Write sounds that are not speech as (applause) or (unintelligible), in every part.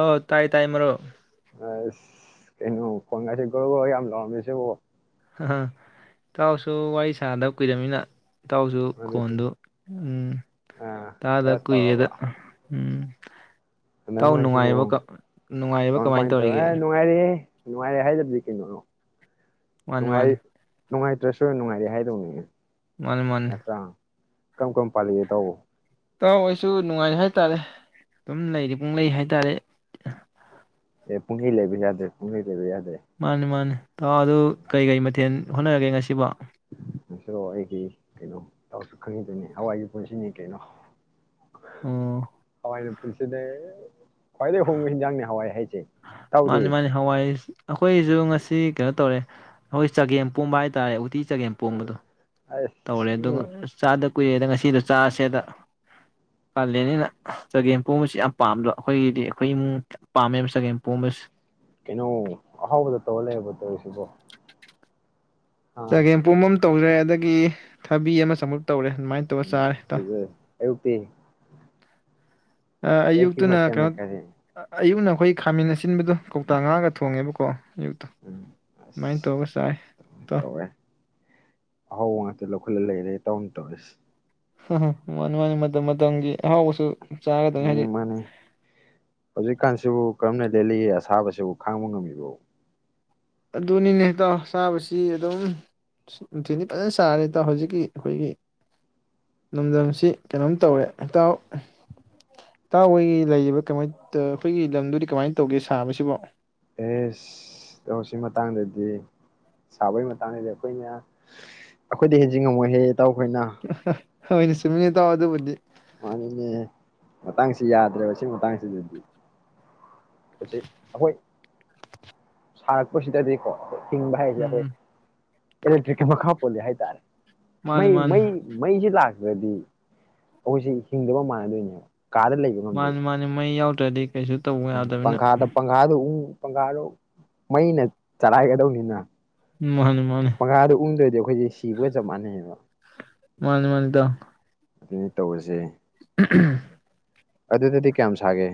ꯑ ꯇꯥꯏ ꯇꯥꯏ ꯃꯔꯨꯞ (unintelligible) ꯍꯥ ꯏꯇꯥꯎꯁꯨ ꯋꯥꯔꯤ ꯁꯥꯟꯅꯗꯕ ꯀꯨꯏꯔꯃꯤꯅ ꯏꯇꯥꯎꯁꯨ ꯑꯗꯨꯗꯤ ꯈꯣꯟꯗꯨ ꯎꯝ ꯑꯥ ꯇꯥꯗ ꯈꯔ ꯀꯨꯏꯔꯦꯗ ꯇꯧꯔꯕ ꯎꯝ ꯍꯟꯗꯛ ꯏꯇꯥꯎ ꯃꯔꯛꯁꯤꯕꯨ ꯅꯨꯡꯉꯥꯏꯔꯤꯕꯣ ꯀ ꯅꯨꯡꯉꯥꯏꯔꯤꯕꯣ ꯀꯃꯥꯏ ꯇꯧꯔꯤꯒꯦ ꯅꯨꯪꯉꯥꯏꯔꯤ ꯍꯥꯏꯗ꯭ꯔꯗꯤ ꯀꯩꯅꯣ ꯃꯥꯟꯅꯤ ꯃꯥꯟꯅꯤ ꯅꯨꯡꯉꯥꯏꯇꯔ꯭ꯁꯨ ꯅꯨꯡꯉꯥꯏꯔꯤ ꯍꯥꯏꯗꯧꯅꯤꯅ‌ꯦ ꯃꯥꯟꯅꯤ ꯃꯥꯟꯅꯤ ꯀꯝ ꯀꯝ ꯄꯥꯜꯂꯤꯒꯦ ꯏꯇꯥꯎꯕꯣ ꯏꯇꯥꯎ ꯑꯩꯁꯨ ꯅꯨꯉꯥꯏꯔꯤ ꯍꯥꯏꯇꯥꯔꯦ ꯑꯗꯨꯝ ꯂꯩꯔꯤ ꯄꯨꯪꯂꯩ ꯍꯥꯏꯇꯥꯔꯦ ꯑꯦ ꯄꯨꯡꯂꯩ ꯂꯩꯕꯥ ꯌꯥꯗꯦ ꯄꯨꯡꯂꯩ ꯂꯩꯕꯥ ꯌꯥꯗꯦ ꯃꯥꯟꯅꯤ ꯃꯥꯟꯅꯤ ꯏꯇꯥꯎ ꯑꯗꯣ ꯀꯩ ꯀꯩ ꯃꯊꯦꯜ ꯍꯣꯠꯅꯔꯥꯒꯦ ꯉꯥꯁꯤꯕꯣ ꯏꯇꯥꯎ ꯑꯩꯗꯤ ꯀꯩꯅꯣ ꯇꯥꯎ ꯁꯨ ꯈꯪꯏꯗꯨꯅꯤ ꯍꯋꯥꯏꯒꯤ ꯄꯨꯟꯁꯤꯅꯤ ꯀꯩꯅꯣ (unintelligible) ꯑꯣ (unintelligible) ꯈꯋ꯭ꯥꯏꯗꯩꯩ ꯍꯥꯎꯕꯥ ꯍꯦꯟꯖꯥꯡꯅꯤ ꯍꯋꯥꯏ ꯍꯥꯏꯖꯦ ꯃꯥꯟꯅꯤ ꯃꯥꯟꯅꯤ ꯍꯥꯋꯥꯏ ꯑꯩꯈꯣꯢꯖꯨ ꯉꯁꯤ ꯀꯩꯅꯣ ꯇꯧꯑꯦ ꯍꯣꯢ ꯆꯒꯦꯝ ꯄꯣꯝꯕ ꯍꯥꯏ ꯇꯥꯔꯦ ꯎꯇꯤ ꯆꯥꯒꯦꯝꯄꯣꯝꯕꯗꯣ ꯑꯁ ꯇꯧꯔꯦ ꯑꯗꯨꯃꯥ ꯎꯝ ꯆꯥꯗ ꯀꯨꯏꯔꯦꯗꯥ ꯉꯥꯁꯤꯗꯣ ꯆꯥꯁꯦꯗ ꯀꯥꯂꯦꯟꯅꯤꯅꯥ ꯆꯥꯒꯦꯝ ꯄꯣꯝꯕꯁꯤ ꯌꯥꯝ ꯄꯥꯝꯕꯥ ꯑꯩꯈꯣꯢꯗꯤ ꯑꯩꯈꯣꯢ ꯏꯃꯨꯡ ꯄꯝꯃꯦꯕꯥ ꯆꯥꯒꯦꯝ ꯄꯣꯝꯕꯥꯁꯤ ꯀꯩꯅꯣ ꯑꯍꯥꯎꯕꯗ ꯇꯧꯔ ꯂꯩꯔꯕꯣ ꯇꯧꯔꯤꯁꯤꯕꯣ ꯑꯥ ꯆꯥꯒꯦꯝꯄꯣꯝꯕꯥ ꯇꯧꯔꯦ ꯑꯗꯥꯒꯤ ꯊꯕꯤ ꯑꯃꯥ ꯆꯝꯐꯨꯠ ꯇꯧꯔꯦ ꯑꯗꯨꯃꯥꯏꯅ ꯇꯧꯔ ꯆꯥꯔꯦ ꯏꯇꯥꯎ (unintelligible) ꯑꯌꯨꯛꯇꯤ ꯑꯥ ꯑꯌꯨꯛꯀꯤ ꯑꯌꯨꯛꯇꯨꯅ ꯀꯩꯅꯣ ꯃꯊꯦꯜꯅ ꯀꯔꯤ ꯑꯌꯨꯛꯅꯥ ꯈꯣꯏ ꯈꯥꯃꯦꯟ ꯑꯁꯤꯟꯕꯥꯗꯣ ꯀꯧꯇꯥ ꯉꯥꯒꯥ ꯊꯣꯡꯉꯦꯕꯥꯀꯣ (unintelligible) ꯎꯝ ꯑꯗꯨꯃꯥꯏ ꯇꯧꯔꯒꯥ ꯆꯥꯏ ꯇꯥꯎ ꯑꯍꯥꯎꯕꯥ ꯉꯥꯛꯇꯥ ꯂꯧꯈꯠꯂꯥ ꯂꯩꯔꯦ ꯏꯇꯥꯎꯅ ꯇꯧꯔꯤꯁꯦ (unintelligible) ꯃꯥꯟꯅꯤ ꯃꯥꯟꯅꯤ ꯃꯇꯝ ꯃꯇꯝ ꯒꯤ ꯑꯍꯥꯎꯕꯁꯨ ꯆꯥꯒꯗꯕꯅꯤ ꯍꯥꯏꯗꯤ ꯃꯥꯟꯅꯤ ꯃꯥꯟꯅꯤ ꯍꯧꯖꯤꯛ ꯀꯥꯟꯁꯤꯕꯨ ꯀꯔꯝꯅꯥ ꯂꯦꯜꯂꯤꯒꯦ ꯑꯁꯥꯕꯁꯤꯕꯣ ꯈꯪꯕ ꯉꯝꯃꯤꯕꯣ ꯑꯗꯨꯅꯤꯅꯦ ꯏꯇꯥꯎ ꯆꯕꯁꯤ ꯑꯗꯨꯝ ꯅꯨꯪꯊꯤꯜꯗꯤ ꯐꯖꯅꯥ ꯁꯥꯔꯦ ꯏꯇꯥꯎ ꯍꯧꯖꯤꯛꯀꯤ ꯑꯩꯈꯣꯢꯒꯤ ꯂꯝꯗꯝꯁꯤ ꯀꯩꯅꯣꯝ ꯇꯧꯔꯦ ꯇꯥꯎ ꯏꯇꯥꯎ ꯍꯣꯢ ꯂꯩꯔꯤꯕꯥ ꯀꯥꯃꯥꯏ ꯇꯧ ꯈꯣꯏꯒꯤꯂꯝꯗꯨꯗꯤ ꯀꯃꯥꯏ ꯇꯧꯒꯦ ꯁꯕꯁꯤꯕꯣ ꯑꯦꯁ ꯏꯇꯥꯎ ꯁꯤ ꯃꯇꯥꯥꯡꯗꯗꯤ ꯁꯥꯕꯩ ꯃꯇꯥꯡꯗꯗꯤ ꯑꯩꯈꯣꯢꯅꯥ ꯑꯩꯈꯣꯏꯗꯩ ꯍꯦꯟꯖꯟ ꯉꯝꯃꯣꯏꯅꯦ (unintelligible) ꯍꯣꯢꯅꯦ ꯆꯨꯝꯃꯤꯅꯦ ꯏꯇꯥꯎ ꯑꯗꯨꯕꯨꯗꯤ ꯗꯤ ꯃꯥꯟꯅꯤꯅꯦ ꯃꯇꯥꯡꯁꯤ ꯌꯥꯗꯔꯦꯕꯥ ꯁꯤ ꯃꯇꯥꯥꯡꯁꯤꯗꯗꯤ ꯍꯧꯖꯤꯛ ꯑꯩꯈꯣꯌ ꯁꯔꯛꯄꯥꯁꯤꯗꯗꯤꯀꯣ ꯍꯤꯡꯕꯥ ꯍꯥꯏꯁꯦ ꯑꯩꯈꯣꯌ ꯎꯝ ꯏꯂꯦꯛꯇꯔ꯭ꯤꯛꯀꯤ ꯃꯈꯥ ꯄꯣꯜꯂꯦ ꯍꯥꯏ ꯇꯥꯔꯦ ꯃꯥꯅꯤ ꯃꯩ ꯃꯥꯅꯤ ꯃꯩ ꯃꯩꯖꯨ ꯂꯥꯛ ꯔꯗꯤ ꯑꯩꯈꯣꯢꯁꯤ ꯁꯤꯡꯗꯕ ꯃꯥꯟꯗꯣꯏꯅꯦ ꯃꯥꯅꯤ ꯃꯥꯅꯤ ꯃꯩ ꯌꯥꯎ ꯇꯗꯤ ꯎꯝ ꯄꯪꯈꯥꯗ ꯄꯪꯈꯥ ꯗꯨ ꯎꯡꯉꯨ ꯄꯪꯈꯥꯗꯨ ꯃꯩꯅ ꯆꯂꯥꯏꯒꯗꯕꯅꯤꯅ ꯑꯝ ꯃꯥꯅꯤ ꯄꯪꯈꯥꯗꯨ ꯎꯡꯗꯔꯗꯤ ꯑꯩꯈ ꯑꯩꯈꯣꯢꯗꯤ ꯁꯤꯕꯒ ꯆꯞ ꯃꯥꯟꯅꯩꯌꯦꯕ ꯃꯥꯅꯤ ꯃꯥꯅꯤ ꯏꯇꯥꯎ ꯑꯗꯨꯅꯤ ꯇꯧꯔꯤꯁꯦ ꯑꯗꯨꯗꯗꯤ ꯀꯌꯥꯝ ꯁꯥꯒꯦ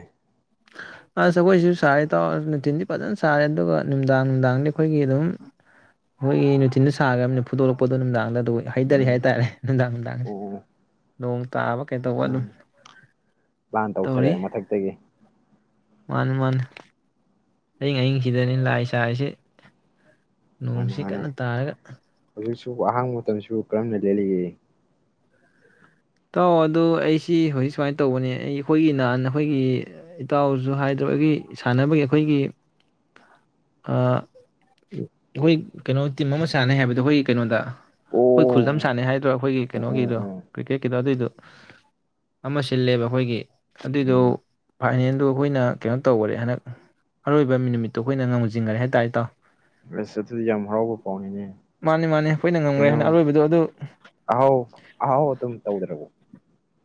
ꯑꯥꯁ ꯑꯩꯈꯣꯢꯁꯨ ꯁꯥꯌꯦ ꯏꯇꯥꯎ ꯅꯨꯡꯊꯤꯜꯗꯤ ꯐꯖꯅ ꯁꯥꯔꯦ ꯑꯗꯨꯒ ꯅꯨꯝꯗꯥꯡ ꯅꯨꯝꯗꯥꯡꯗꯤ ꯑꯩꯈꯣꯏꯒꯤ ꯑꯗꯨꯝ ꯑꯩꯈꯣꯢꯒꯤ ꯅꯨꯡꯊꯤꯜꯗ ꯁꯥꯒꯔꯃꯤꯅ ꯐꯨꯗꯣꯔꯛꯄꯗꯣ ꯅꯨꯝꯗꯥꯡꯗ ꯑꯗꯨꯝ ꯍꯣꯏ ꯍꯩꯗꯔꯤ ꯎꯝ ꯍꯥꯏ ꯇꯥꯔꯦ ꯅꯨꯝꯗꯥꯡ ꯑꯣ ꯅꯨꯝꯗꯥꯡꯁꯦ ꯑꯣ ꯅꯣꯡ ꯇꯥꯕ ꯀꯩꯗꯧꯕ ꯑꯗꯨꯝ ꯎꯝ ꯄ꯭ꯂꯥꯟ ꯇꯧꯔꯤ ꯇꯧꯊꯔꯛꯑꯦ ꯃꯊꯛꯇꯒꯤ ꯃꯥꯅꯤ ꯃꯥꯅꯤ ꯑꯍꯤꯡ ꯑꯍꯤꯡꯁꯤꯗꯅꯤ ꯂꯥꯢ ꯁꯥꯢꯁꯤ ꯅꯣꯡꯁꯤ ꯀꯟꯅ ꯇꯥꯔꯒ ꯁꯤꯕꯨ ꯑꯍꯥꯡꯕ ꯃꯇꯝ ꯁꯤꯕꯨ ꯀꯔꯝꯅ ꯂꯦꯜꯂꯤꯒꯦ ꯏꯇꯥꯎ ꯑꯗꯨ ꯑꯩꯁꯤ ꯍꯧꯖꯤꯛ ꯁꯨꯃꯥꯏꯟ ꯇꯧꯕꯅꯤ ꯑꯩ ꯑꯩꯈꯣꯢꯒꯤ ꯅꯍꯥꯟ ꯑꯩꯈꯣꯢꯒꯤ ꯏꯇꯥꯎꯁꯨ ꯍꯥꯏꯗꯕꯒꯤ ꯁꯥꯟꯅꯕꯒꯤ ꯑꯩꯈꯣꯢꯒꯤ ꯑꯥ ꯑꯩꯈꯣꯏ ꯀꯩꯅꯣ ꯇꯤꯝ ꯑꯃ ꯁꯥꯟꯅꯅꯦ ꯍꯥꯏꯕꯗꯣ ꯑꯩꯈꯣꯢꯒꯤ ꯀꯩꯅꯣꯗ ꯑꯩꯈꯣꯢꯒꯤ ꯈꯨꯜꯗ ꯑꯃ ꯑꯣ ꯁꯥꯟꯅꯅꯦ ꯍꯥꯏꯗ꯭ꯔ ꯑꯩꯈꯣꯢꯒꯤ ꯑꯣ ꯑꯣ ꯀꯩꯅꯣꯒꯤꯗꯣ ꯑꯣ ꯀꯔꯤꯛꯀꯦꯠ ꯑꯗꯨꯏꯗꯣ ꯑꯃ ꯁꯤꯜꯂꯦꯕ ꯑꯩꯈꯣꯢꯒꯤ ꯑꯗꯨꯏꯗꯣ ꯎꯝ ꯐꯥꯏꯅꯦꯜꯗꯣ ꯑꯩꯈꯣꯢꯅ ꯀꯩꯅꯣ ꯇꯧꯒꯔꯦ ꯍꯟꯗꯛ ꯑꯔꯣꯏꯕ ꯃꯤꯟ ꯅꯨꯃꯤꯠꯇꯣ ꯑꯩꯈꯣꯢꯅ ꯉꯝꯖꯤꯟꯒꯔꯦ ꯍꯥꯏ ꯇꯥꯔꯦ ꯏꯇꯥꯎ ꯑꯁ ꯑꯗꯨꯗꯤ ꯌꯥꯝ ꯍꯥꯎꯕ ꯃꯥꯅꯤ ꯃꯥꯅꯤ ꯑꯩꯈꯣꯏꯅ ꯉꯝꯈ꯭ꯔꯦ ꯄꯥꯎꯅꯤꯅꯦꯀꯩꯅꯣ ꯍꯟꯗꯛ ꯑꯔꯣꯏꯕꯗꯣ ꯑꯗꯨ ꯑꯍꯥꯎ ꯑꯍꯥꯎ ꯑꯊꯨꯝ ꯇꯧꯗ꯭ꯔꯕꯣ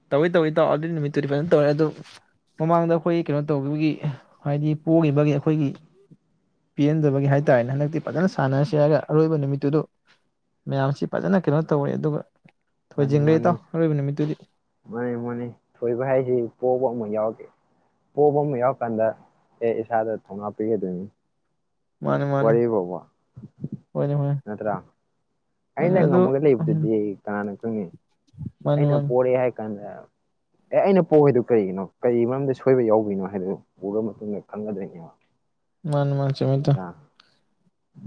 ꯇꯧꯏ ꯇꯧꯏ ꯏꯇꯥꯎ ꯑꯗꯨꯏ ꯅꯨꯃꯤꯠꯇꯨꯗꯤ ꯐꯖꯟ ꯇꯧꯏ ꯃꯃꯥꯡꯗ ꯑꯩꯈꯣꯢ ꯀꯩꯅꯣ ꯇꯧꯒꯤꯕꯒꯤ ꯍꯥꯏꯗꯤ ꯄꯣꯒꯤꯕꯒꯤ ꯑꯩꯈꯣꯢꯒꯤ ꯄꯦꯟꯗꯕꯒꯤ ꯍꯥꯏ ꯇꯥꯔꯦꯅꯦ ꯍꯟꯗꯛꯇꯤ ꯐꯖꯅ ꯁꯥꯟꯅꯁꯤ ꯍꯥꯏꯔꯒ ꯑꯔꯣꯏꯕ ꯅꯨꯃꯤꯠꯇꯨꯗꯨ ꯃꯌꯥꯝꯁꯦ ꯐꯖꯅ ꯀꯩꯅꯣ ꯇꯧꯔꯦ ꯑꯗꯨꯒ ꯊꯣꯏꯖꯤꯟꯒ꯭ꯔꯦ ꯏꯇꯥꯎ ꯑꯔꯣꯏꯕ ꯅꯨꯃꯤꯠꯇꯨꯗꯤ ꯃꯥꯅꯤ ꯃꯥꯅꯤ ꯊꯣꯏꯕ ꯍꯥꯏꯗꯤ ꯄꯣꯕ ꯑꯃ ꯌꯥꯎꯗꯦ ꯄꯣꯕ ꯑꯃ ꯌꯥꯎꯔꯀꯥꯟꯗ ꯑꯦ ꯏꯁꯥꯗ ꯊꯧꯅꯥ ꯑꯃ ꯄꯤꯗꯣꯏꯅꯤ ꯃꯥꯅꯤ ꯃꯥꯅꯤ ꯋꯥꯔꯤꯕꯣꯕ ꯍꯣꯏꯅꯦ ꯍꯣꯏꯅꯦ ꯅꯠꯇ꯭ꯔꯥ ꯃꯥꯅꯤ ꯑꯩꯅ ꯑꯗꯨ ꯉꯝꯃꯒ ꯃꯥꯅꯤ ꯂꯩꯕꯗꯨꯗꯤ ꯀꯅꯥꯅ ꯈꯪꯅꯤ ꯑꯩꯅ ꯃꯥꯅꯤ ꯄꯣꯔꯦ ꯍꯥꯏꯀꯥꯟ ꯀꯥꯟꯗ ꯑꯦ ꯑꯩꯅ ꯄꯣꯒꯩꯗꯣ ꯀꯩꯒꯤꯅꯣ ꯀꯔꯤ ꯃꯔꯝꯗ ꯁꯣꯏꯕ ꯌꯥꯎꯕꯒꯤꯅꯣ ꯍꯥꯏꯕ ꯗꯣ ꯎ ꯎꯔ ꯃꯇꯨꯡ ꯗ ꯈꯪꯒꯗꯣꯏꯅꯦꯕ ꯃꯥꯅꯤ ꯃꯥꯅꯤ ꯆꯨꯝꯃꯤ ꯏꯇꯥꯎ ꯅꯠꯇ꯭ꯔꯥ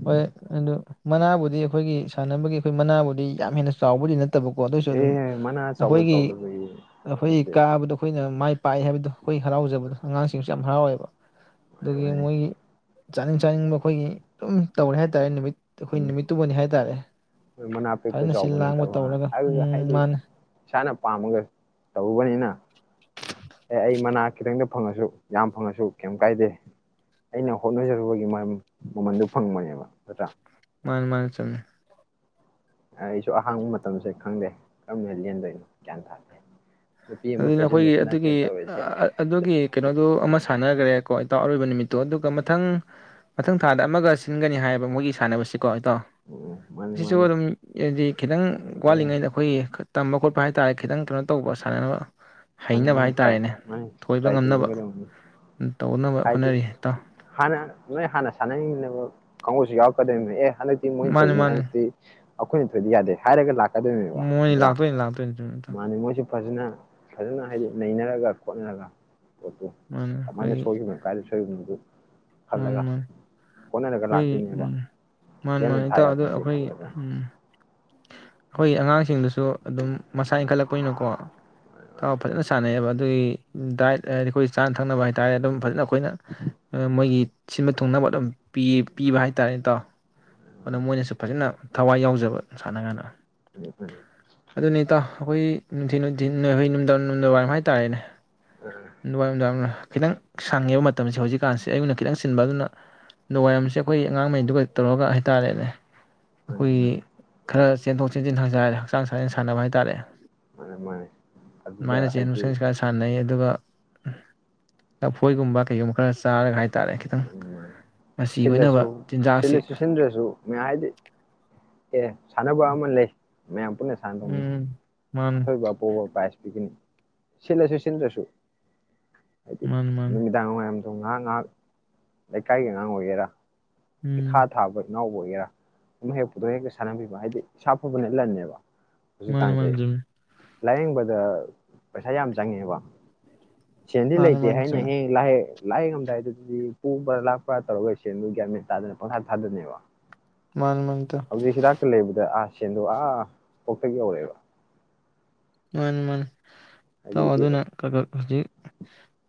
ꯍꯣꯏ ꯑꯗꯨ ꯃꯅꯥꯕꯨꯗꯤ ꯑꯩꯈꯣꯏꯒꯤ ꯁꯥꯟꯅꯕ ꯑꯩꯈꯣꯢ ꯃꯅꯥꯕꯨꯗꯤ ꯌꯥꯝ ꯍꯦꯟꯅ ꯆꯥꯎꯕꯗꯤ ꯅꯠꯇꯦ ꯇꯕ ꯀꯣ ꯑꯗꯣꯏꯁꯨ ꯑꯗꯨꯝ ꯑꯦ ꯃꯅꯥ ꯑꯆꯧꯕ ꯑꯩꯈꯣꯢꯒꯤ ꯆꯥꯎꯗꯕꯒꯤ ꯑꯩꯈꯣꯢꯒꯤ ꯅꯠꯇꯦ ꯀꯥꯕꯗꯣ ꯑꯩꯈꯣꯢꯅ ꯃꯥꯏ ꯄꯥꯏ ꯍꯥꯏꯕꯗꯨ ꯈꯣꯏ ꯍꯔꯥꯎꯖꯕꯗꯣ ꯑꯉꯥꯡꯁꯤꯡꯁꯨ ꯌꯥꯝ ꯍꯔꯥꯎꯌꯦꯕ ꯑꯗꯨꯒꯤ ꯃꯣꯏꯒꯤ ꯆꯥꯅꯤꯡ ꯆꯥꯅꯤꯡꯕ ꯑꯩꯈꯣꯢꯒꯤ ꯗꯨꯝ ꯇꯧꯔꯦ ꯍꯥꯏ ꯇꯥꯔꯦ ꯅꯨꯃꯤꯠ ꯗꯨ ꯑꯩꯈꯣꯢ ꯅꯨꯃꯤꯠꯇꯨꯃꯗꯤ ꯍꯥꯏ ꯇꯥꯔꯦ ꯃꯅꯥ ꯄꯤꯛꯄ ꯐꯖꯅ ꯁꯤꯜ ꯆꯥꯎꯕ ꯂꯥꯡꯕ ꯅꯠꯇꯕ ꯇꯧꯔꯒ ꯑꯝ ꯃꯥꯅꯤ ꯄꯥꯝꯕꯉꯩ ꯇꯧꯕꯅꯤꯅ ꯑꯩ ꯃꯅꯥ ꯈꯤꯠꯇꯪꯗ ꯐꯪꯂꯥꯁꯨ ꯌꯥꯝ ꯐꯪꯂꯁꯨ ꯀꯥꯌꯝ ꯀꯥꯏꯗꯦ ꯑꯩꯅ ꯍꯣꯠꯅ ꯖꯥꯈꯤꯕꯩ ꯃꯍꯩ ꯃꯃꯟꯗꯨ ꯐꯪꯕꯅꯦꯕ ꯅꯠꯇꯔ ꯃꯥꯟꯅꯤ ꯃꯥꯟꯅꯤ ꯆꯨꯝꯃꯤ ꯑꯩꯁꯨ ꯑꯍꯥꯡꯕ ꯃꯇꯝꯁꯦ ꯈꯪꯗꯦ ꯀꯝꯗꯧꯅ ꯂꯦꯟꯗꯣꯏꯅꯣ ꯒꯌꯥꯟ ꯇꯥꯗꯦ ꯅꯨꯄꯤ ꯑꯃ ꯑꯗꯨꯗꯤ ꯅꯈꯣꯏꯒꯤ ꯀꯣꯏꯁꯤꯟꯕꯁꯨ ꯑꯗꯨꯒꯤ ꯅꯠꯇꯦ ꯇꯧꯔꯤꯁꯦ ꯑꯗꯨꯒꯤ ꯀꯩꯅꯣꯗꯨ ꯑꯃ ꯁꯥꯟꯅꯈꯔꯦꯀꯣ ꯏꯇꯥꯎ ꯑꯗꯨ ꯅꯨꯃꯤꯠꯇꯣ ꯑꯗꯨꯒ ꯃꯊꯪ ꯃꯊꯪ ꯊꯥꯗ ꯑꯃꯥꯒ ꯁꯤꯟꯒꯅꯤ ꯍꯥꯏꯕ ꯃꯣꯏꯒꯤ ꯁꯥꯟꯅꯕꯁꯤ ꯀ‌ꯣ ꯢꯇꯥꯎ ꯎꯝ ꯃꯥꯅꯤ ꯁꯤꯁꯨ ꯃꯥꯅꯤ ꯑꯗꯨꯝ ꯍꯥꯏꯗꯤ ꯈꯤꯠꯇꯪ ꯑꯦ ꯋꯥꯠꯂꯤꯉꯩꯗ ꯑꯩꯈꯣꯏꯒꯤ ꯇꯝꯕ ꯈꯣꯠꯄ ꯍꯥꯏꯇꯔꯦ ꯈꯤꯠꯇꯪ ꯀꯩꯅꯣ ꯇꯧꯕ ꯁꯥꯟꯅꯅꯕ ꯃꯥꯟꯅꯤ ꯍꯩꯅꯕ ꯃꯥꯟꯅꯤ ꯇꯔꯥꯏ ꯍꯥꯏꯇꯥꯔꯦꯅꯦ ꯃꯥꯟꯅꯤ ꯊꯣꯏꯕ ꯇꯔꯥꯏ ꯉꯝꯅꯕ ꯇꯧꯁꯤꯟꯒꯗꯕꯅꯤ ꯇꯧꯅꯕ ꯍꯥꯏꯗꯤ ꯍꯣꯠꯅꯔꯤ ꯏꯇꯥꯎ ꯍꯥꯟꯅ ꯅꯣꯏ ꯍꯥꯟꯅ ꯁꯥꯟꯅ ꯃꯤꯟꯅꯕ ꯀꯥꯡꯕꯨꯁꯨ ꯌꯥꯎꯔꯛ ꯀꯗꯣꯏꯅꯤ ꯑꯦ ꯍꯟꯗꯛꯇꯤ ꯃꯥꯅꯤ ꯃꯣꯏꯊꯣꯏꯕꯅꯤ ꯃꯥꯅꯤ ꯍꯟꯗꯛꯇꯤ ꯑꯩꯇꯣꯏꯅ ꯊꯣꯏꯗ ꯌꯥꯗꯦ ꯍꯥꯏꯔꯒ ꯂꯛ ꯃꯣꯏ ꯂꯥꯛꯇꯣꯏꯅꯤ ꯂꯥꯛꯇꯣꯏꯅꯤꯗ ꯏꯇꯥꯎ ꯐꯖꯟꯅ ꯐꯖꯟꯅ ꯍꯥꯏꯗꯤ ꯅꯩꯅꯔꯒ ꯈꯣꯠꯅꯔꯒ ꯑꯣꯀꯦ ꯃꯥꯅꯤ ꯑꯗꯨ ꯃꯥꯏꯅ ꯑꯩꯈꯣꯏꯒꯤ ꯁꯣꯏꯈꯤꯕꯅꯦ ꯀꯥꯏ ꯁꯣꯏꯈꯤꯕꯗꯨꯗꯤ ꯍꯟꯂꯒ ꯍꯣꯢ ꯎꯝ ꯃꯥꯟꯅꯦ ꯂꯦꯝꯅ ꯃꯥꯟꯅꯦ ꯊꯥ ꯏꯇꯥꯎ ꯑꯗꯣ ꯌꯥꯄꯣꯟꯇꯦ ꯑꯩꯈꯣꯏ ꯈꯜꯂꯒ ꯎꯝ ꯍꯣꯏ ꯑꯉꯥꯡꯁꯤꯡꯗꯨꯁꯨ ꯇꯣ ꯑꯗꯨꯝ ꯃꯁꯥ ꯏꯪꯈꯠꯂꯛꯄꯅꯤꯅꯀꯣ ꯏꯇꯥꯎ ꯐꯖꯟꯅ ꯁꯟꯅꯩꯕ ꯗꯥꯏꯠ ꯍꯥꯏꯔꯦ ꯑꯩꯈꯣꯏ ꯆꯥꯅ ꯊꯛꯅꯕ ꯍꯥꯏꯇꯔꯦ ꯑꯗꯨꯝ ꯐꯖꯟꯅ ꯅ ꯃꯣꯏꯒꯤ ꯁꯤꯟꯕ ꯊꯨꯡꯅꯕ ꯑꯗꯨꯝ ꯄꯤ ꯄꯤꯕ ꯍꯥꯏ ꯇꯥꯔꯦ ꯏꯇꯥꯎ ꯃꯣꯏꯅꯁꯨ ꯐꯖꯟꯅ ꯊꯋꯥꯏ ꯌꯥꯎꯖꯕ ꯁꯥꯟꯅꯕ ꯒꯥꯟꯗ ꯃꯥꯅꯤ ꯃꯥꯅꯤ ꯑꯗꯨꯅꯤ ꯏꯇꯥꯎ ꯑꯩꯈꯣꯏ ꯅꯨꯡꯊꯤꯜ ꯅꯨꯡꯊꯤꯜ ꯂꯣꯏꯕꯩ ꯅꯨꯡꯗꯥꯡ ꯅꯨꯡꯗꯥꯡ ꯋꯥꯔꯝ ꯍꯥꯏꯇꯔꯦꯅꯦ ꯅꯨꯔꯗꯥꯡꯅ ꯈꯤꯇꯪ ꯁꯪꯉꯦꯕ ꯃꯇꯝꯁꯦ ꯍꯧꯖꯤꯛ ꯀꯥꯟꯁꯦ ꯑꯩꯌꯨꯛꯅ ꯈꯤꯠꯇꯪ ꯆꯤꯟꯕ ꯑꯗꯨꯅ ꯅꯨꯡꯋꯥꯏꯔꯝꯁꯦ ꯑꯩꯈꯣꯏ ꯑꯉꯥꯡ ꯃꯩꯗꯨꯒ ꯇꯧꯔꯒ ꯍꯥꯏꯇꯥꯔꯦꯅꯦ ꯃꯥꯅꯤ ꯃꯥꯅꯤ ꯑꯈꯣꯏꯒꯤ ꯈꯔ ꯆꯦꯟ ꯊꯣꯛ ꯆꯦꯟꯁꯤꯟ ꯐꯥꯖꯔꯦ ꯍꯛꯆꯥꯡ ꯁꯥꯖꯦꯟ ꯁꯥꯟꯅꯕ ꯍꯥꯏꯇꯔꯦ ꯃꯥꯅꯦ ꯃꯥꯅꯦ ꯃꯥꯟꯅꯦ ꯑꯗꯨꯗ ꯆꯦꯟ ꯊꯣꯛ ꯍꯥꯏꯗꯤ ꯆꯦꯟꯁꯤꯟ ꯈꯔ ꯁꯥꯟꯅꯩ ꯑꯗꯨꯒ ꯂꯐꯣꯏꯒꯨꯝꯕ ꯀꯩꯒꯨꯝꯕ ꯈꯔ ꯆꯥꯔꯒ ꯍꯥꯏ ꯇꯥꯔꯦ ꯈꯤꯠꯇꯪ ꯃꯥꯅꯦ ꯃꯥꯅꯦ ꯃꯆꯤ ꯑꯣꯏꯅꯕ ꯁꯤꯜꯂꯁꯨ ꯆꯤꯟꯖꯥꯛꯁꯤ ꯁꯤꯜꯂꯁꯨ ꯁꯤꯟꯗ꯭ꯔꯁꯨ ꯃꯌꯥꯝ ꯍꯥꯏꯗꯤ (inaudible) ꯁꯥꯟꯅꯕ ꯑꯃ ꯂꯩ ꯃꯌꯥꯝ (unintelligible) ꯎꯝ ꯃꯥꯅꯤ ꯑꯩꯈꯣꯢ ꯕꯥꯕꯣꯛ ꯕꯥꯜ ꯄꯔꯤꯖ ꯄꯤꯒꯅꯤ ꯁꯤꯟꯂꯁꯨ ꯁꯤꯟꯗꯔ꯭ꯁꯨ ꯃꯥꯅꯤ ꯃꯥꯅꯤ ꯅꯨꯃꯤꯗꯥꯡ ꯋꯥꯏꯔꯝ ꯉꯥꯏꯍꯥꯛ ꯉꯏꯍꯛ ꯂꯩꯀꯥꯏꯒꯤ ꯑꯉꯟ ꯑꯣꯏꯒꯦꯔꯥ ꯎꯝ ꯏꯈꯥ ꯊꯥꯕꯥ ꯏꯅꯧ ꯑꯣꯏꯒꯦꯔ꯭ ꯑꯃꯥ ꯄꯨꯔꯊꯣꯛ ꯁꯅꯕꯤꯕꯥ ꯍꯥꯏꯗꯤ ꯏꯁꯥ ꯗꯕꯅꯥ ꯂꯥꯟ ꯅꯤ ꯃꯃꯤ ꯆꯨꯝꯃꯤ ꯂꯥꯏꯌꯦꯡꯕꯗ ꯄꯩꯁꯥ ꯌꯥꯝ ꯆꯪ ꯑꯦꯕ ꯁꯦꯜ ꯗꯤ ꯃꯥꯅꯤ ꯂꯩꯇꯦ ꯃꯥꯅꯤ ꯍꯥꯌꯅꯤ ꯆꯨꯝꯃꯤ ꯍꯌꯦꯡ ꯂꯥꯏ ꯂꯥꯏꯌꯦꯡ ꯕꯗꯗꯤ ꯄꯨꯕꯔꯥ ꯂꯛꯄꯔꯥ ꯇꯧꯔꯒꯥ ꯁꯦꯜꯁꯤ ꯒꯌ꯭ꯥꯟ ꯇꯥꯗꯅꯥ ꯄꯪ ꯊꯥ ꯊꯗꯅꯤꯕꯥ ꯃꯥꯅꯤ ꯃꯥꯅꯤ ꯍꯧꯖꯤꯛ ꯍꯤꯗꯥꯛ ꯇꯥ ꯂꯩꯕꯗꯥ ꯁꯦꯜꯗꯨ ꯑꯥꯑꯥ ꯀꯣꯀꯊꯛ ꯌꯧ ꯑ ꯕ ꯃꯅꯤ ꯃꯅꯤ ꯏꯇꯩ ꯑꯗꯨꯅ ꯏꯔꯦ ꯈꯔꯥ ꯈꯔꯥ ꯍꯧꯖꯤꯛ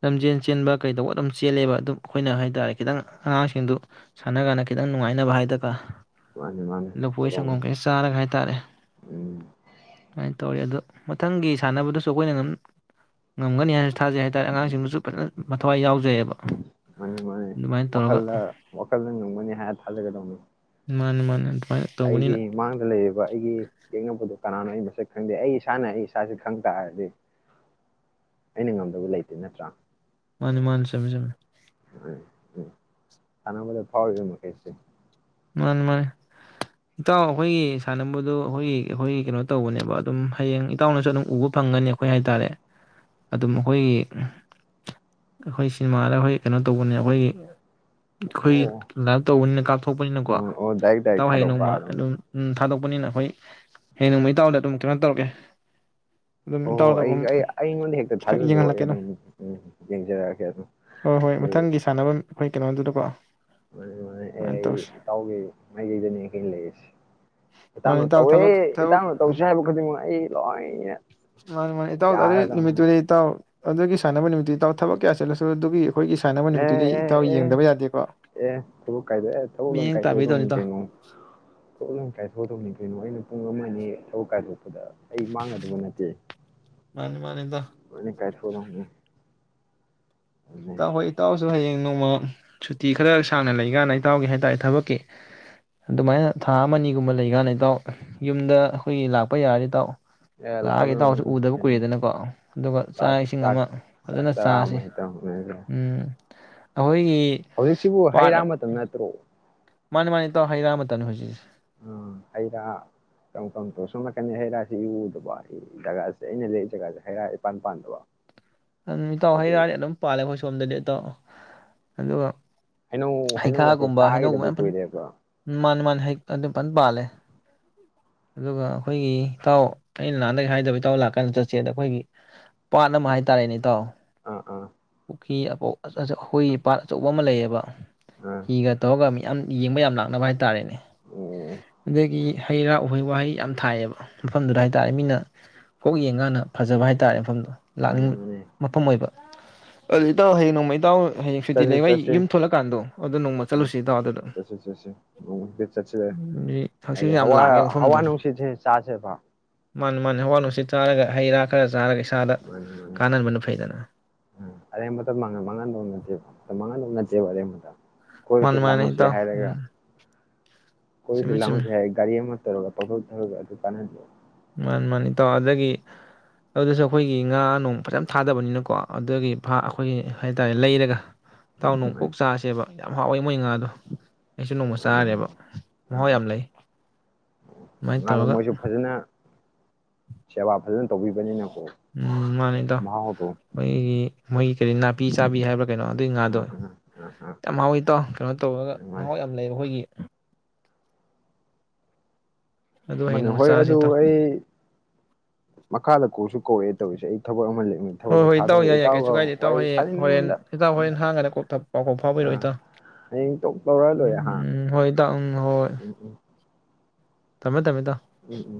ꯂꯝꯖꯦꯜ ꯆꯦꯟꯕ ꯀꯩꯇꯧꯕ ꯑꯗꯨꯝ ꯆꯦꯜꯂꯦꯕꯥ ꯑꯗꯨ ꯑꯩꯈꯣꯏ ꯅꯥ ꯍꯥꯏꯇꯔꯦ ꯈꯤꯇꯪ ꯑꯉꯥꯟ ꯁꯤꯡ ꯗꯨ ꯁꯅꯒꯟꯗ ꯈꯤꯇꯥꯪ ꯅꯨꯪꯉꯥꯏꯅꯕ ꯃꯥꯅꯤ ꯃꯥꯅꯤ ꯂꯥꯐꯣꯏ ꯄꯣꯔꯣꯝꯅꯤ ꯁꯟꯒꯣꯝ ꯀꯩ ꯆꯔꯒꯥ ꯍꯥꯏꯠꯔꯦ ꯎꯝ ꯁꯨꯃꯥꯏ ꯇꯥꯔꯦ ꯑꯗꯨ ꯃꯊꯪ ꯒꯤ ꯁꯥꯟꯅꯕ ꯑꯩꯈꯣ ꯑꯩꯈꯣꯅ ꯉꯝꯒꯅꯤ ꯊꯥꯖꯩ ꯍꯥꯏꯇꯥꯔꯦ ꯑꯉꯥꯡ ꯁꯤꯡ ꯗꯨꯁꯨ ꯑꯗꯨꯝ ꯐꯥꯖꯅꯥ ꯃꯊꯋꯥꯏ ꯌꯦꯖꯩ ꯕ ꯃꯥꯅꯤ ꯃꯥꯅꯤ ꯋꯥꯈꯜꯗ ꯋꯥꯈꯜꯗ ꯉꯝꯒꯅꯤ ꯍꯥꯏꯔ ꯊꯥꯖꯒꯗꯧꯅꯤ ꯃꯅꯤ ꯃꯅꯤ ꯑꯩꯒꯤ ꯃꯥꯡꯗ ꯂꯩꯔꯤꯕ ꯑꯩꯒꯤ ꯌꯦꯛꯅꯕꯗꯨ ꯀꯅꯥꯅꯣ ꯃꯁꯛ ꯀꯨꯪꯗꯦ ꯑꯩ ꯏꯁꯥꯅ ꯏꯁꯥꯁꯤ ꯀꯨꯪꯇꯔꯦ ꯑꯩꯅꯥ ꯉꯝꯗꯕ ꯃꯤ ꯂꯩꯇꯦ ꯅꯠꯔꯥ ꯃꯥꯅꯤ ꯃꯥꯅꯤ ꯆꯨꯝꯃꯤ ꯆꯨꯝꯃꯤ ꯁꯥꯅꯕꯗꯥ ꯐꯥꯎꯔꯤꯕ ꯃꯈꯩꯁꯤ ꯃꯥꯅꯤ ꯃꯥꯅꯤ ꯏꯇꯥꯎ ꯑꯩꯈꯣꯌꯒꯤ ꯁꯅꯕꯗꯨ ꯑꯩꯈꯣꯌꯒꯤ ꯑꯩꯈꯣꯌꯒꯤ ꯀꯩꯅꯣ ꯇꯧꯕꯅꯦꯕꯥ ꯢꯇꯧ ꯅꯥꯁꯨ ꯑꯗꯨꯝ ꯎ ꯕ ꯐꯪꯒꯅꯤ ꯍꯥꯢꯇꯔꯦ ꯑꯩꯈꯣꯌꯒꯤ ꯁꯤꯅꯤꯃꯥ ꯗ ꯀꯅꯣ ꯇꯧꯕꯅꯤ ꯑꯩꯈꯣꯌꯒꯤ ꯑꯩꯈꯣꯏꯒꯤ ꯑꯣ ꯂꯥꯏꯞ ꯇꯧꯕꯅꯤꯅ ꯀꯥꯞꯊꯣꯛ ꯊꯣꯛ ꯄꯥꯅꯤꯅꯥꯀꯣ ꯑꯣ ꯑꯣ ꯗꯥꯏꯔꯦꯛ ꯗꯥꯏꯔꯦꯛ ꯢꯇꯩ ꯍꯥꯌꯦꯡ ꯊꯥꯗꯣꯛꯄ ꯅꯣꯡꯃ ꯑꯗꯨꯝ ꯊꯗꯣꯛ ꯄꯥꯅꯤꯅꯥ ꯍꯌꯦꯟ ꯏꯇꯧ ꯗ ꯑꯗꯨꯝ ꯀꯔꯤꯅꯣ ꯇꯧꯔꯛ ꯀꯦ ꯍꯣ ꯍꯣ ꯑꯩ ꯑꯩ ꯑꯩꯉꯣꯟꯗꯥ ꯍꯦꯛ ꯇꯥ ꯊꯖꯤꯟꯕꯤꯔꯡ ꯌꯦꯡꯍꯜꯂꯛꯀꯦ ꯑꯗꯨꯝ ꯑꯣ ꯌꯦꯡ ꯖꯔꯛ꯫ ꯑ ꯒꯦ ꯀꯩꯅꯣꯗꯨꯗꯥꯀꯣ (unintelligible) ꯏꯇꯧ ꯃꯥꯅꯦ ꯅꯥ ꯏꯇꯥꯎ ꯇꯧꯑ ꯊꯕꯛ ꯊꯕꯛ ꯏꯇꯧꯅ ꯇꯧꯁꯤ ꯍꯥꯏꯕꯥ ꯈꯨꯗꯤꯡꯃꯛ ꯂ‌ꯣꯏꯌ‌ꯦ꯫ ꯃꯥꯅꯤ ꯃꯥꯅꯤ ꯏꯇꯥꯎ ꯑꯗꯨꯏ ꯅꯨꯃꯤꯠꯇꯨꯗꯤ ꯏꯇꯥꯎ꯫ ꯑꯗꯨꯒꯤ ꯁꯥꯟꯅꯕ ꯅꯨꯃꯤꯠꯇꯨꯗꯤ ꯏꯇꯥꯎ ꯊꯕꯛ ꯀꯌꯥ ꯆꯠꯂꯁꯨ ꯗꯨꯕꯤꯌꯨ꯫ ꯑꯦ-ꯑꯦ-ꯑꯦ, ꯑꯦ ꯊꯕꯛ ꯀꯥꯏꯗꯦ ꯑꯦ ꯊꯕꯛ ꯂ‌ꯣꯏꯅ ꯃꯤꯠꯌꯦꯡ ꯀꯥꯏꯊ‌ꯣꯛ ꯇꯥꯕꯤꯗꯧꯅꯤ ꯑꯗꯧꯅꯤ ꯏꯇꯥꯎ ꯀꯩꯅ‌ꯣ ꯊꯕꯛ ꯂꯣꯏ ꯀꯥꯏꯊꯣ‌ꯛ ꯑꯗꯧꯅꯤ ꯀꯩꯅ‌ꯣ ꯑꯩꯅ ꯄꯨꯡ ꯑꯃ꯫ ꯌ‌ꯦ ꯊꯕꯛ ꯀꯥꯏꯊ‌ꯣꯛꯄꯗ꯫ ꯑꯩ ꯃꯥꯡꯒꯗꯕ ꯅꯠꯇꯦ ꯃꯥꯅꯤ ꯃꯥꯅꯤ ꯏꯇꯥꯎ ꯂꫭꯏꯅ ꯀꯥꯏꯊꫭꯛ꯫ ꯑꯣꯏ ꯂꯥꯎꯅꯩ꯫ (inaudible) ꯇꯥꯎ ꯍꫭꯏ ꯏꯇꯥꯎꯁꯨ ꯍꯌ‌ꯦꯡ꯫ ꯅꫭꯡꯃ ꯁꯨꯇꯤ ꯈꯔ ꯁꯥꯡꯅ ꯂꯩꯒꯥꯟꯗ ꯏꯇꯥꯎꯒ ꯍꯥꯏꯇꯔ‌ꯦ ꯊꯕꯛꯀꯤ ꯑꯗꯨꯃꯥꯏꯅ ꯊꯥ ꯑꯃ- ꯅꯤꯒꯨꯝꯕ ꯂꯩꯒꯥꯟꯗ ꯏꯇꯥꯎꯒ ꯌꯨꯝꯗ ꯑꯈꫭꯏꯒꯤ ꯂꯥꯛꯄ ꯌꯥꯔꯗꯤ ꯏꯇꯥꯎ꯫ ꯑꯦ ꯂꯥꯛꯑꯒ‌ꯦ ꯏꯇꯥꯎꯁꯨ ꯂꯥꯛꯑꯗꯧꯅꯤ ꯎꯗꯕ ꯀꯩꯅꯣ ꯀꯨꯏꯔ‌ꯦꯗꯅꯀꫭ ꯑꯗꯨꯒ ꯆꯥꯛ - ꯏꯁꯤꯡ ꯑꯃ ꯆꯥꯛ ꯐꯖꯅ ꯆꯔꯥ ꯆꯥꯁꯤ꯫ ꯑꯃ ꯍꯦꯛꯇ ꯎꯃ꯫ ꯑꯈꫭꯏ꯫ ꯍꯧꯖꯤꯛꯁꯤꯕꯨ ꯍꯩ-ꯔ ꯃꯇꯝꯗ ꯅꯠꯇꯔ꯭ꯣ꯫ ꯃꯅꯤ-ꯃꯅꯤ ꯏꯇꯥꯎ ꯍꯩ-ꯔ ꯃꯇꯝꯅꯤ ꯫ ꯎꯃ ꯍꯩ-ꯔ ꯀꯔꯝ-ꯀꯔꯝꯇꯧ ꯁꫭꯝꯅꯀꯟꯗꯗꯤ ꯍꯩꯔꯥꯁꯤ ꯏꯎ - ꯎꯗꯕ ꯖꯒꯁ‌ꯦ ꯑꯩ ꯅ ꯂꯩꯔꯤ ꯖꯒꯁ‌ꯦ ꯍꯩ-ꯔ ꯏꯄꯥꯟ- ꯄꯥꯟꯗꯕ꯫ ꯑꯩ ꯏꯇꯥꯎ ꯍꯥꯏꯗꯤ ꯍꯩ-ꯔꯗꯤ ꯑꯗꯨꯝ ꯄꯥꯜꯂ‌ꯦ ꯑꯈꯣꯏ ꯁꫭꯝꯗꯗꯤ ꯏꯇꯥꯎ ꯫ ꯍꯦꯜꯂꯣ ꯍꯩꯅꯧ ꯍꯥꯌꯈꯥ ꯍꯩꯅꯧꯒꯁꯦ ꯒꯨꯝꯕꯥ ꯍꯥꯌꯅꯧ ꯒꯝꯕ ꯆꯥꯈꯤꯗꯕ ꯌꯥꯃ ꯐꯅ ꯀꯨꯏꯔꯦꯕ ꯃꯥꯅꯦ ꯃꯥꯅꯦ ꯍꯩ ꯐꯜ ꯄꯥꯂꯦ ꯑꯒꯨꯒꯥ ꯑꯈꯣꯏꯒꯤ ꯏꯇꯥꯑꯣ ꯑꯩꯅꯥ ꯅꯍꯟ ꯗꯩ ꯍꯥꯏꯕꯥ ꯏꯇꯥꯑꯣ ꯂꯀꯥ ꯀꯟꯗꯥ ꯆꯠꯁꯦ ꯑꯈꯣꯏꯒꯤ ꯄꯥꯠ ꯑꯥꯃꯥ꯫ ꯇꯥꯔꯦꯟꯦ ꯏꯇꯥꯑꯣ꯫ (unintelligible) ꯍꯤ ꯑꯀꯑꯣ ꯑꯆ꯭ꯑꯣ ꯑꯆꯕꯥ ꯄꯥꯠ ꯑꯥꯃꯥ ꯂꯦꯏꯌꯦ ꯕꯥ꯫ ꯑꯥ ꯍꯤ ꯒꯥ ꯇꯧꯔꯒ ꯃꯤ ꯌꯥꯝ ꯌꯦꯡꯕꯥ ꯍꯥꯌꯅꯥ ꯂꯀꯅꯥ ꯇꯥꯔꯦ ꯅꯦ ꯎꯝ ꯑꯗꯥꯒꯤ ꯍꯦꯏꯔꯥ ꯑꯣꯏꯍꯦꯏꯋꯥꯏ ꯌꯥꯝ ꯊꯥꯏꯌꯦ ꯃꯍꯥꯝ ꯑꯗꯨꯗꯥꯏ ꯗꯥ ꯃꯤꯅꯥ ꯀꯣꯛ ꯌꯦꯡꯒꯥꯀꯟꯗꯥ ꯐ꯭ꯍꯖꯕꯥ ꯍꯥꯌ ꯇꯥꯔꯦ ꯃꯐꯍꯝ ꯗꯨ ꯃꯥꯅꯤ ꯂꯀꯅꯤꯡ꯫ ꯃꯥꯅꯤ ꯃꯐꯝ ꯑꯣꯏꯕ ꯑꯗꯨꯗꯤ ꯏꯇꯥꯎ ꯍꯌꯦꯡ ꯅꯣꯡꯃ ꯏꯇꯥꯎ ꯍꯌꯦꯡ ꯁꯨꯇꯤ ꯆꯠꯁꯦ ꯂꯩꯕ ꯑꯩ ꯆꯠꯁꯦ ꯌꯨꯝ ꯊꯣꯛꯂꯛꯀꯥꯟꯗꯣ ꯑꯗꯨ ꯅꯣꯡꯃ ꯑ ꯆꯠꯂꯨꯁꯤ ꯏꯇꯥꯎ ꯑꯗꯨꯗ ꯆꯠꯁꯦ ꯆꯠꯁꯦ ꯅꯣꯡꯃ ꯗꯦꯠ ꯅꯠꯁꯦ ꯍꯛꯆꯤꯠꯁꯨ ꯍꯥꯏꯗꯤ ꯥ ꯌꯥꯝ ꯂꯥꯡꯉꯦ ꯍꯋꯥ ꯅꯨꯡꯁꯤꯠ ꯆꯦꯁꯦ ꯕꯥ꯫ ꯃꯥꯅꯦ ꯃꯥꯅꯦ ꯍꯋꯥ ꯅꯨꯡꯁꯤꯠ ꯆꯔꯥꯒꯥ ꯍꯦꯏꯔꯥ ꯈ꯭ꯔꯥꯒꯥ ꯆꯔꯥꯒꯥ꯫ ꯆꯥꯗꯥ꯫ ꯑꯔꯦꯝꯕꯗꯥ ꯃꯇꯝ ꯃꯥꯡꯍꯅꯕ ꯃꯇꯝ ꯃꯥꯡꯍꯅꯕ ꯍꯧꯅꯥꯗꯦꯕ (inaudible) ꯀꯣꯏꯔꯨꯁꯦ ꯃꯥꯅꯤ ꯃꯥꯅꯤ ꯂꯉ꯭ꯒꯨꯁꯦ ꯏꯇꯥꯎ ꯍꯥꯏꯔꯒꯥ ꯎꯝ ꯀꯣꯏꯔꯨꯁꯦ ꯆꯨꯝꯃꯤ ꯆꯨꯝꯃꯤ ꯂꯪꯒꯨꯁꯦ ꯍꯥꯏꯔꯒꯥ ꯒꯔꯤ ꯑꯥꯃꯥ꯫ ꯁꯦꯔꯧ ꯗꯥ ꯑꯗꯨ ꯄꯨꯡ ꯊ꯭ꯋ꯭ꯔꯒꯥ ꯀꯅꯥꯅꯤ꯫ ꯃꯥꯅꯦ ꯃꯥꯅꯦ ꯏꯇꯥꯑꯣ ꯑꯗꯨꯗꯥꯒꯤ ꯑꯗꯨꯁꯨ ꯑꯈꯣꯏꯒꯤ ꯉꯥ ꯅꯨꯡ ꯐꯖꯅ ꯥ ꯊꯥꯗꯥꯕꯅꯤꯅꯥ ꯀꯣ ꯑꯗꯨꯒꯤ ꯐꯥ ꯑꯈꯣꯏꯒꯤ ꯂꯦꯏꯔꯒꯥ ꯏꯇꯥꯑꯣ ꯅꯣꯡꯃ ꯀꯣꯛ ꯃꯥꯅꯤ ꯆꯥꯁꯦ ꯕꯥ ꯃꯣꯏ ꯉꯥ ꯗꯣ ꯗꯨ꯫ ꯏꯁꯨ ꯅꯣꯡꯃꯥ ꯃꯥꯅꯤ ꯆꯔꯗ ꯕꯥ ꯃꯥꯅꯤ ꯑꯥ ꯃꯥꯍ꯭ꯑꯣ ꯌꯥꯝ ꯂꯦꯏ ꯑꯗꯨꯃꯥꯏ ꯑꯗꯣ ꯇ꯭ꯔꯒꯥ꯫ ꯃꯣꯏꯁꯨ ꯐꯖꯅ ꯁꯦꯕꯥ ꯐꯖꯅꯥ ꯇ꯭ꯕꯤꯕꯥꯅꯤꯅꯥ꯫ ꯎꯝ (unintelligible) ꯅꯥꯄꯤ ꯆꯕꯤ ꯍꯥꯏꯕꯔꯥ ꯀꯩꯅꯣ ꯑꯗꯨꯏ ꯉꯥꯗꯣ ꯎꯝ ꯎꯝ ꯎꯝ ꯎꯝ ꯌꯥꯝ ꯍꯥꯎꯏ ꯏꯇꯥꯎ ꯀꯩꯅꫭ ꯇꯧꯔꯒꯥ ꯃꯥꯅꯤ ꯃꯥꯅꯤ ꯃꯍꯥꯎ ꯌꯥꯝ ꯂꯩ (unintelligible) ꯑꯗꯨ ꯍꯌꯦꯡ ꯃꯅꯦ ꯅꯣꯡꯃ ꯍꯣꯌ ꯆꯥꯁꯦ ꯑꯗꯣ ꯏꯇꯥꯎ ꯑꯩ ꯃꯈꯥꯗ ꯀꯧꯁꯨ ꯀꯧꯔꯥꯛꯑꯥ ꯇꯧꯔꯤꯁꯦ ꯑꯩ ꯊꯕꯛ ꯑꯃꯂꯩ ꯍꯣꯌ ꯍꯣꯌ ꯏꯇꯥꯎ ꯌꯥꯏ ꯌꯥꯏ ꯀꯩꯁꯨ ꯀꯥꯏꯗꯦ ꯏꯇꯥꯎ ꯍꯥꯌꯦ ꯁꯥꯅꯤꯡꯉꯤ ꯍꯣꯔꯦꯟ ꯃꯣꯟꯗ ꯏꯇꯥꯎ ꯎꯝ ꯍꯣꯔꯦꯜ ꯍꯥꯡꯑꯀꯥꯟꯗ ꯀꯣꯛꯇꯣꯛ ꯄꯥꯎ ꯐꯥꯎꯕꯤꯔꯛ ꯑꯥ ꯑꯣ ꯍꯌꯦꯡ ꯇꯣꯛ ꯇꯧꯔ ꯂꯣꯏꯔꯦ ꯍꯥ ꯊꯥꯃꯦꯊꯥꯃꯤ ꯎꯝꯎꯝ